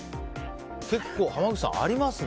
結構、濱口さん、ありますね。